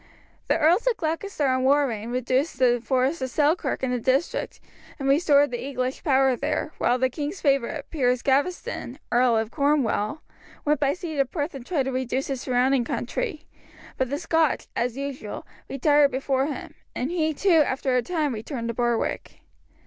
The Earls of Gloucester and Warrenne reduced the forest of Selkirk and the district, and restored the English power there; while the king's favourite, Piers Gaveston, Earl of Cornwall, went by sea to Perth and tried to reduce the surrounding country, but the Scotch, as usual, retired before him, and he, too, after a time, returned to Berwick.